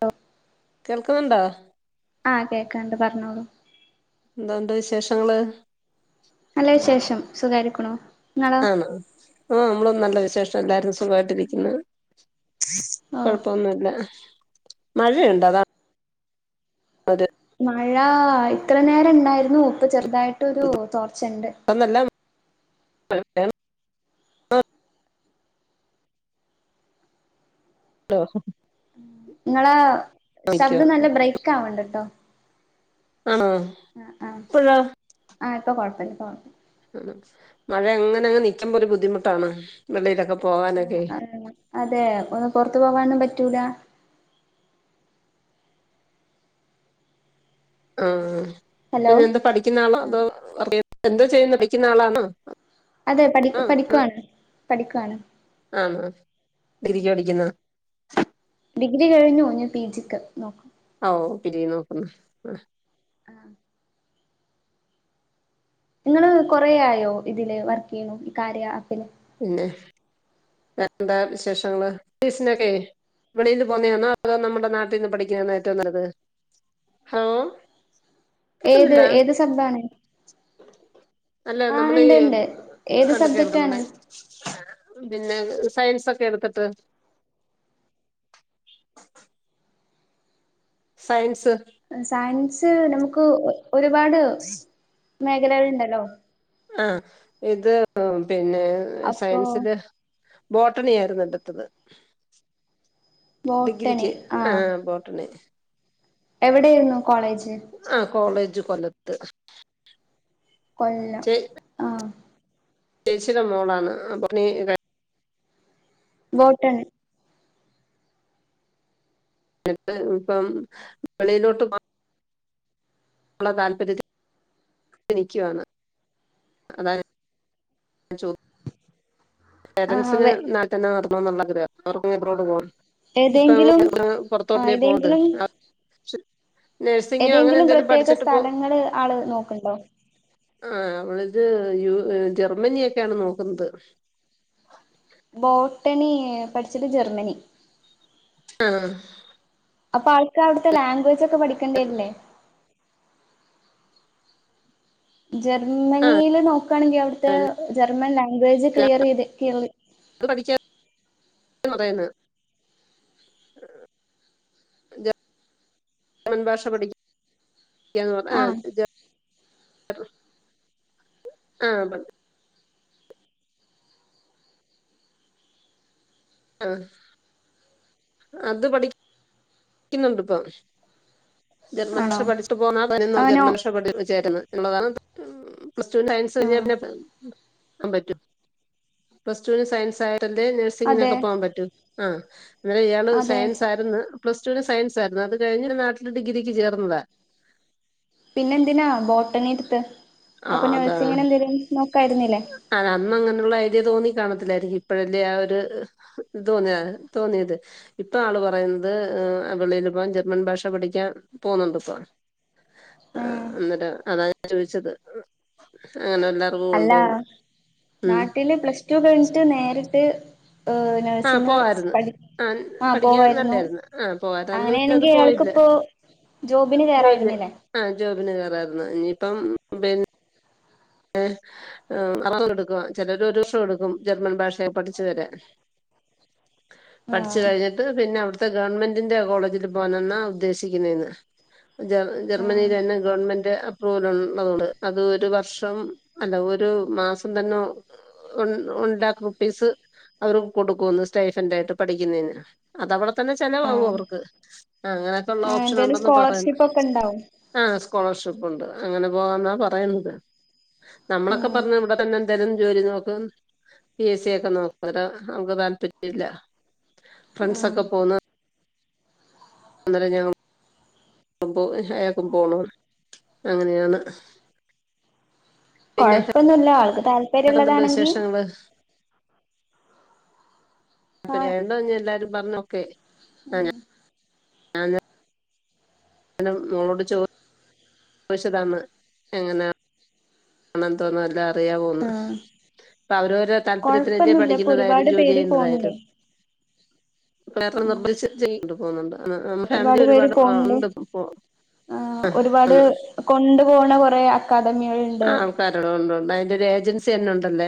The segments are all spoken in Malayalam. അ കേൾക്കുന്നുണ്ടോ ആ കേക്കാണ്ട് പറഞ്ഞോളൂ എന്താണ്ട് വിശേഷങ്ങള് നല്ല ശേഷം സുഖാരിക്കണോ ആണോ ആ നമ്മളൊന്നും നല്ല വിശേഷം എല്ലാരും സുഖമായിട്ടിരിക്കുന്നു ഓഹ് കുഴപ്പൊന്നുമല്ല മഴയുണ്ട് അതാ മഴ ഇത്ര നേരം ഇണ്ടായിരുന്നു ഉപ്പ ചെറുതായിട്ടൊരു തോർച്ചുണ്ട് ആ [unintelligible] നിങ്ങളെ ശബ്ദം നല്ല ബ്രേക്ക് ആവണ്ട്ട്ടോ ആ പ്പഴോ ആ ഇപ്പൊ കൊഴപ്പല്ല മഴ അങ്ങനങ്ങ് നിയ്ക്കുമ്പോരു ബുദ്ധിമുട്ടാണ് വെളിലൊ [unintelligible] ആ ആ അതെ പൊറത്തു പോവാനും പറ്റൂല ആ ഹലോ പിന്നെന്താ പഠിക്കുന്നാളോ ആഹ് അതോ [unintelligible] എന്തോ ചെയ്യുന്ന പഠിക്കുന്ന ആളാന്നൊ അതെ പഠി പഠിക്കുവാണ് പഠിക്കുവാണ് ആ [unintelligible] പടിക്കുന്ന ഡിഗ്രി കഴിഞ്ഞു ഞ് പി ജിക്ക് [inaudible] ഓ പിജി നോക്കുന്നു ആ ആഹ് ങ്ങള് കൊറേ ആയോ ഇതില് വർക്ക്യു! ! ! ! ! ! ! ! ! ! ! ! ! പിന്നെ എന്താ വിശേഷങ്ങള് [unintelligible] ഇവിളീന്ന് പോന്നയാന്നോ അതൊ നമ്മുടെ നാട്ടിന്ന് പഠിക്കുന്നയാന്നോ ഏറ്റൊം നല്ലത് ഹാ ഏത് ഏത് സബാണ് അല്ല നമ്മളീ ഏത് സബ്ജക്റ്റാണ് [unintelligible] പിന്നെ സയൻസൊക്കെ എടുത്തിട്ട് സയൻസ് സയൻസ് നമുക്ക് ഒരുപാട് മേഖലകൾ ഇണ്ടല്ലോ ആ ഇത് പിന്നെ അപ്പൊ സയൻസില് ബോട്ടണി ആയിരുന്നെടുത്തത് ബോട്ടണി ഡിഗ്രിക്ക് ആ ബോട്ടണി എവിടെയിരുന്നു ആ കോളേജ് കൊലത്ത് കൊല്ലം ആ ചേച്ചിടെ മോളാണ് അപ്പൊ നീ ബോട്ടൺ ന്ന് ഇപ്പം വെളീലോട്ട് നമ്മള താല്പര്യത്തി [unintelligible] [unintelligible] ആഹ് പേരൻറ്സിന് വെ [unintelligible] പോണം ഇപ്പം ഏതെങ്കിലും ആഹ് ഏതെങ്കിലും [unintelligible] ഏതെങ്കിലും പ്രത്യേക പോ സ്ഥലങ്ങള് ആള് നോക്ക്ണ്ടോ ആ അവളിത് യു ജർമ്മനിയെക്കെയാണ് നോക്കുന്നത് ബോട്ടണി പഠിച്ചിട്ട് ജർമ്മനി ആ അപ്പാൾക്ക് അവിടുത്തെ ലാംഗ്വേജ് ഒക്കെ പഠിക്കേണ്ടിരില്ലേ ജർമ്മനിയില് നോക്ക ക്കാണെങ്കി അവിടുത്തെ ജർമ്മൻ ലാംഗ്വേജ് ക്ലിയർ ചെയ്ത് അത് [unintelligible] പഠിക്കാന്ന് [unintelligible] [unintelligible] ഭാഷ [unintelligible] ആഹ് ആ പറ ആ അത് പഠി ക്കുന്നുണ്ട്പ്പം ജർമ്മൻ [unintelligible] ആണോ ആനോ ആഹ് പ്ലസ്ടു [unintelligible] ന്റെ അതെ നഴ്സിങ്ങിനൊക്കെ പോവാൻ പറ്റൂ ആ അന്നേര ഇയാള് അതെ സയൻസാരുന്നു. പ്ലസ് ടുവിന് സയൻസ് ആരുന്നു അത് കഴിഞ്ഞഞ് നാട്ടില് ഡിഗ്രിക്ക് ചേർന്നതാ. പിന്നെ എന്തിനാ ബോട്ടണ്ണി എടുത്ത് ആ അപ്പൊ അതാണ് നഴ്സിങ്ങനെ എന്തേലും നോക്കായിരുന്നില്ലേ. അത് അങ്ങനെയുള്ള ഐഡിയ തോന്നി കാണതില്ലായിരിക്കും ഇപ്പോഴല്ലേ ആ ഒരു തോന്നിയ തോന്നിയത്. ഇപ്പം ആള് പറയുന്നത് വെളിൽി പോകാൻ ജർമ്മൻ ഭാഷ പഠിക്കാൻ പോുന്നുണ്ട് ഇപ്പൊ. ആ ആഹ് അന്നേരം അതാ ഞാൻ ചോദിച്ചത് അങ്ങനെ എല്ലാ റും അല്ല പോണുണ്ടോ ന്ന്. നാട്ടില് പ്ലസ്്ടടു കഴിഞ്ഞിട്ട് നേരിട്ട്. ഹ ആ നഴ്സിംഗ് പോവായിരുന്നു പഠി.. ആ ആഹ് പഠിക്കാൻ പോവായിരുന്നു നല്ലായിരുന്നു ആഹ പോയ്ത അന്ന് അങ്ങനെയാണെങ്കിൽ പോയില്ല. അയാൾക്കിപ്പോ ജോബിന് ജോലി കേറായിരുന്നില്ലേ ആ ജോബിിന കയറായിരുന്നു ഇനിയിപ്പം. ഏ അറ എടുക്കു ചിലര് ഒരു വർഷം എടുക്കും ജർമ്മൻ ഭാഷയെ പഠിച്ചു വരാൻ. ആഹ് പഠിച്കഴിഞ്ഞിട്ട് പിന്നെ അവി. ഇത്തെ ഗവൺമെന്റിന്റെ കോളേജിൽ പോകാനെന്നാണ് ഉദ്ദേശിക്കുന്നേന്ന്.. ജ ജർമ്മനിൽ ആഹ് തന്നെ ഗവൺമെന്റ് അപ്രൂവൽ ഉള്ളതോട് അത് ഒരു വർഷം. വം അല്ല ഒരു മാസം തന്നെ. ഒൺ ണ്ടാക്ക് റുപ്പീസ് അവർ കൊടുക്കുംന്ന് സ്റ്റൈഫന്റ ആയിട്ട് പഠിക്കുന്നതിന് അതവിടെ. തന്നെ ചില വാക്കും ആഹ് അവർക്ക് അങ്ങനൊക്കെ ഉള്ള ആഹ് ഓപ്ഷൻ എന്തേലും ഉണ്ടന്ന് പറയുന്നു. സ്കോളർഷിപ്പ് ഒക്കെ ഉണ്ടാവും ആഹ സ്കോളർഷിപ്പ് ഉണ്ട് അങ്ങനെ പോകെന്നാ പറയുന്നത്. നമ്മളൊക്കെ ആഹ് പറഞ്ഞ ഇവിടെ തന്നെ എന്തായാലും. ജോലി നോക്കും പി എസ് സി ഒക്കെ നോക്കും അത് അവർക്ക് താല്പര്യില്ല. ആഹ് ഫ്രണ്ട്സൊക്കെ പോന്ന്. അന്ദര ഞം അയാക്കും പോണം അങ്ങനെയാണ്. പിന്നെ കൊഴപ്പൊന്നുമല്ല ആൾക്ക് വേറെന്തുണ്ട് താല്പര്യംള്ളതാണെങ്കിൽ. വിശേഷങ്ങള് അപ്പേണ്ടോ എല്ലാരും പറഞ്ഞോക്കെ. ഉഹ ആ അ മോളോട് ചോ ചോദിച്ചതാണ് എങ്ങനാ. ആ തോന്നുന്നു അല്ല. അ പോകുന്നു ആഹ് അപ്പൊ അവരോര താല്പര്യത്തിന് എല്ല കൊഴപ്പൊന്നുല്ല ഇപ്പൊ പഠിക്കുന്നതായാലും ഒരുപാട് ജോലി പേര് പോണുണ്ട് ചെയ്യുന്നതായാലും. േത്ര നിർദേശിച്ച് ചെയ്യുന്നുണ്ട് പോുന്നുണ്ട് ഫാമിലി ഒരുപാട് ഉണ്ട് പോ.. ആ ഒരുപാട് കൊണ്ടു പോണ കൊറെ അക്കാദമികൾ. ആൾക്കാരോ കൊണ്ടണ്ട് അതിന്റെ ഏജൻസി തന്നെ ഉണ്ടല്ലേ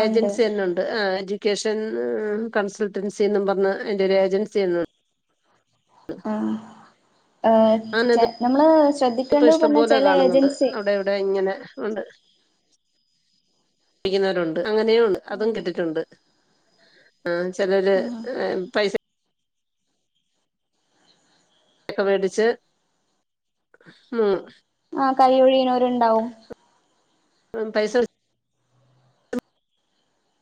എ ഉണ്ട് ജെൻസി തന്നെയുണ്ട്.. വക്കേഷൻ കൺസൾട്ടൻസി എന്നും പറഞ്ഞ എന്റെ ഒരു ഏജൻസി എന്ന.. ആ നമ്മള്. ഇപ്പ ശ്രദ്ധിക്കേണ്ടത് ഇഷ്ടം പറഞ്ഞ പോലെ ചെല കാണുന്നുണ്ട് ഏജൻസി അവിടെ ഇവിടെ ഇങ്ങനെ ഉണ്ട്. പിക്കുന്നവരുണ്ട് അങ്ങനെയണ്ട് അതും കിട്ടിട്ടുണ്ട്. ആ ചെിലര് പൈസ. ഒക്കെ മേടിച്ച് മൂ. കയ്യ്ഴിയനരുണ്ടാവും. പൈസ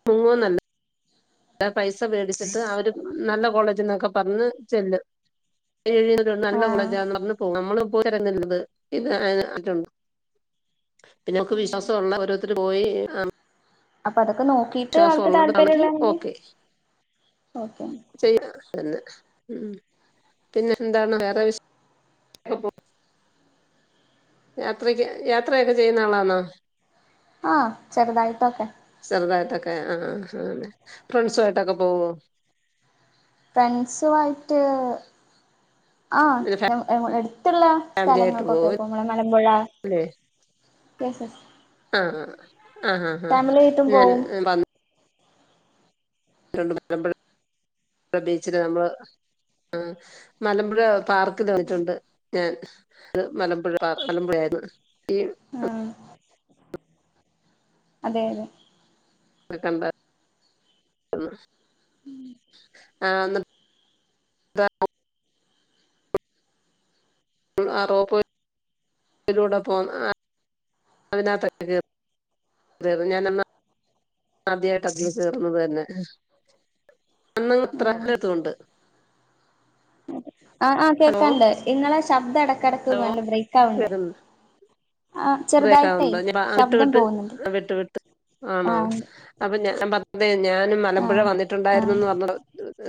മുങ്ങോ നല്ല പൈസ മേടിച്ചിട്ട് അവര് നല്ല കോളേജ്ന്നൊക്കെ പറഞ്ഞ് ചെല്ലു.. എഴുന്നണ്ട് നല്ല ആഹ് കോളേജാ പറു പോകും നമ്മള പോയിരങ്ങത് ഇത് അറ്റുണ്ട് പിന്നെമക്ക് വിശ്വാസള്ള ഓരോരുത്തർ പോയി. അപ്പൊ അതൊക്കെ നോക്കീട്ട് വിശ്വാസം അവൾക്ക് ഉള്ളതാണെങ്കി താല്പര്യള്ളണ്ട് ഓക്കെ നോക ന്നെ ഉ പിന്നെ എന്താണ് വേറെ വിശേഷം യാത്രക്ക് യാത്രയൊക്കെ ചെയ്യുന്ന ആളാണോ? ആഹ ചെറുതായിട്ടൊക്കെ. ആ ആ ഫ്രണ്ട്സായിട്ടൊക്കെ പോവോ ഫ്രണ്ട്സു ആയിട്ട്.. ആ എടുത്തുള്ള ഫാമിലി ആയിട്ട് പോവോ സ്ഥലങ്ങൾക്കൊക്കെ ഇപ്പൊ നമ്മളെ മലമ്പുഴ അല്ലേ എസ് എസ് ആഹ ആഹ ആഹ ഞാൻ പോവും മലമ്പുഴ [unintelligible] ബീച്ചില് നമ്മള് ആ മലമ്പുഴ പാർക്കിൽ വന്നിട്ടുണ്ട് ഞാൻ മലമ്പുഴ മലമ്പുഴ ആയിരുന്നു [unintelligible] ആ അതെ അതെ കണ്ട ആ ന്ന് [unintelligible] ആ റോപ്പ് [unintelligible] അതിലൂടെ പോ [unintelligible] അതിനകത്തൊക്കെ കേറി ഞാനന്ന് ആദ്യായിട്ട് അതിൽ കേറുന്നത് തന്നെ അന്ന ആഹ് ഇത്രക്ക് തോണ്ട് ആ ആ കേക്കാണ്ട് ഇന്നലെ ശബ്ദം ഇടക്കിടക്ക് ഹലോ നല്ല ബ്രേക് ആവണ്ട് ബ്രേക്ക് ആകുന്നുണ്ടോ ഞ വിട്ട് ശബ്ദം വിട്ട് പോകുന്നുണ്ട് വിട്ട് വിട്ട് ആണോ ആഹ് അപ്പൊ ഞാൻ പ അതെ ഞാനും മലമ്പുഴ ആഹ് ആഹ് വന്നിട്ടുണ്ടായിരുന്നന്ന് പറഞ്ഞ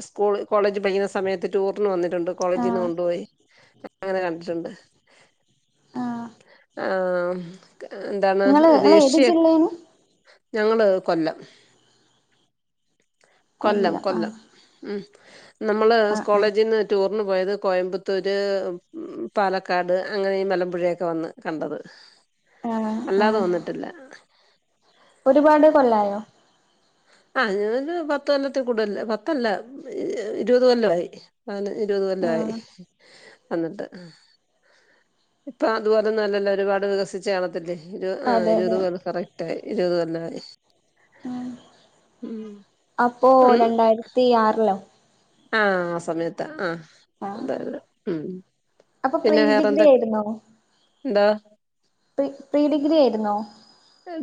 സ്കൂള്.. കോളേജ് പഠിക്കുന്ന സമയത്ത് ടൂറിന് വന്നിട്ടുണ്ട് കോളേജിൽ നിന്ന് ആഹ് കൊണ്ടുപോയി. അങ്ങനെ കണ്ടിട്ടുണ്ട്. ആഹ് ആ എന്താണ് ഇങ്ങള് ഇങ്ങള് ഏത് റേഷ്യ ജില്ലേന്ന് ഞങ്ങള് കൊല്ലം കൊല്ലം കൊല്ലം ഉം നമ്മള് ആഹ് ആഹ് കോളേജിന്ന് ടൂർ പോയത് കോയമ്പത്തൂര് പാലക്കാട് അങ്ങനെ ഈ മലമ്പുഴയൊക്കെ വന്ന് കണ്ടത്. ആഹ് അല്ലാതെ ആഹ് വന്നിട്ടില്ല. ഒരുപാട് കൊല്ലായോ? ആഹ ഞാൻ പത്ത് കൊല്ലത്തിൽ കൂടുതലായി പത്തല്ല ഇരുപത് കൊല്ലമായി അങ്ങനെ ഇരുപത് കൊല്ലായി ആഹ് വന്നിട്ട് ഇപ്പൊ അതുപോലെന്നുല്ലല്ലോ ഒരുപാട് വികസിച്ച് കാണത്തില്ലേ? ഇരു ആ അതെ ഇരുപത് അതെ കൊല്ല കറക്ട് ആയി ഇരുപത് കൊല്ലായി ഉ അപ്പോ രണ്ടായിരത്തി ആറിലോ ആഹ ആ സമയത്ത് ആഹ് ആഹ് അതെതെ ഉം അപ്പൊ പ്രീ ഡി ഗ്രി ആയിരുന്നോ? ന്താ പി പ്രീ ഡിഗ്രി ആയിരുന്നോ?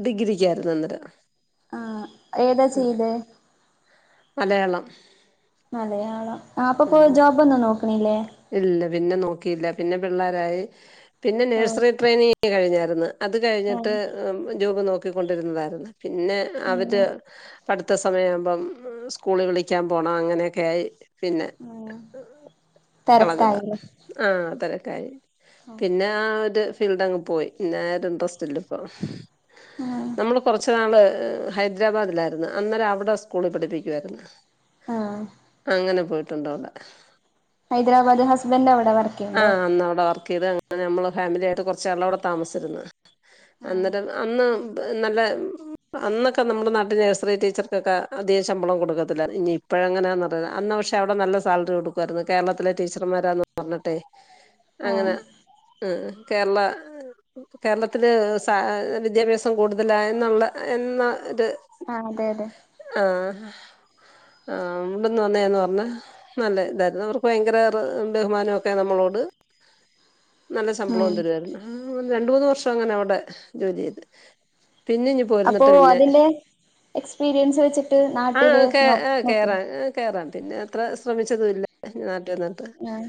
ഡിഗ്രിക്കായിരുന്നു അന്നേരം. ആഹ ഏതാ ഉം ചെയ്തെ? [unintelligible] മലയാളം ആ അപ്പൊപ്പോ ഉം ജോബ് വന്നു ണ് ഇല്ല പിന്നെ നോക്കിയില്ല പിന്നെ പിള്ളാരായി പിന്നെ ഓഹ് നേഴ്സറി ട്രെയിനിങ് കഴിഞ്ഞായിരുന്നു. അത് കഴിഞ്ഞിട്ട് ആഹ് ജോബ് നോക്കിക്കൊണ്ടിരുന്നതായിരുന്നു പിന്നെ അവര് ഉം പടി സമയ ആവുമ്പം സ്കൂളിൽ വിളിക്കാൻ പോകണം അങ്ങനെയൊക്കെയി ആ കളഞ്ഞത് ആ അ തിരക്കായി പിന്നെ ആ ഒരു ഫീൽഡ് അങ്ങ് പോയി പിന്ന ഒരു ഇന്ട്രസ്റ്റ് ഇല്ല ഇപ്പൊ ആഹ് നമ്മള് കൊറച്ച് നാള് ഹൈദരാബാദിലായിരുന്ന് അന്നേരം അവിടെ സ്കൂളിൽ പഠിപ്പിക്കുവായിര്ന്ന് ആഹ് അങ്ങനെ പോയിട്ടുണ്ടോടെ ഹൈദരാബാദ് ഹസ്ബൻഡ് അവിടെ വർക്ക് ഇണ്ടോ ത് നമ്മൾ ഫാമിലിായിട്ട് കുറച്ചളവിടെ താമസിചിർന്ന് ആഹ് അന്നേരം അന്ന് നല്ല അന്നക്കെ നമ്മിടെ നാട്ടിൽ നഴ്സറി ടീച്ചർക്കൊക്കെ അധികം ശമ്പളം കൊടുക്കത്തില്ല ഇനി ഇപ്പോഴ എങ്ങനാന്ന് പക്ഷെ അവിടെ നല്ല സാലറി കൊടുക്കാർന്ന് കേരളത്തിൽ ഇ ടീച്ചർമാരാന്ന പറഞ്ഞട്ടെ അങ്ങനെ ആഹ് ഉ കേരള കേരളത്തില് സ വിദ്യാഭ്യാസം കൂടുതല എന്നുള്ള എന്ന അത് ആഹ് അതെ അതെ ആ ആ ഇവിട്ന്ന് വന്നെന്ന് പറഞ്ഞ നല്ല ഇതായിരുന്നു അവർ ഭയങ്കര ബഹുമാനക്കെ നമ്മളോട് നല്ല ഉം ശമ്പളം തരുവര്ന്ന് ആ രണ്ട് മൂന്ന് വർഷം അങ്ങനെ അവിടെ ജോലി ചെയ്ത് പിന്നെ ഇഞ് അപ്പോ പോർന്നിട്ട് പിന്നെ അതിന്റെ എക്സ്പീരിയൻസ് വെച്ചിട്ട് ആ നാട്ടില് നോ ആ നോക്കും കേറാ ആ കേറൻ പിന്നെ അത്ര ശ്രമിച്ചതുല്ല നാട്ടി വന്നിട്ട് ആഹ്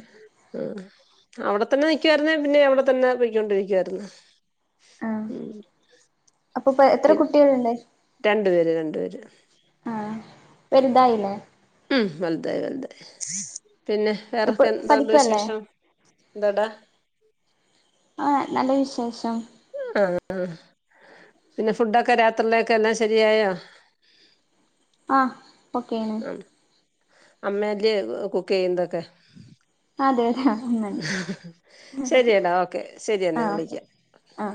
ആ അവിടെ തന്നെ നിക്കുവാരിന്നെ പിന്നെ അവിടെ തന്നെ പേയ്ക്കൊണ്ടിരിക്കായിരുന്ന് ആ അപ്പൊപ്പ എത്ര കുട്ടിളിണ്ട് രണ്ട് പേര് രണ്ട് പേര് വെൽതായില്ലേ ഉം വെൽതായി വതായി പിന്നെ ഇപ്പൊ വേറൊക്കെ എതോണ്ട് പഠിക്കുവല്ലേ വിശേഷം എന്തടാ ആ നല്ല വിശേഷം ആ പിന്നെ ഫുഡൊക്കെ രാത്രിലേക്ക് എല്ലാ ശരിയായോ ആ ഓക്കേണ് അമ്മല് കുക്ക് ഏയ്‌ന്തൊക്കെ അതെ അതെ ഒന്നാണ്. ശരിയടാ ഓക്കെ ശരിയെന്നെ വിളിക്ക ആ